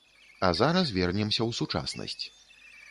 А зараз вернемся ў сучаснасць.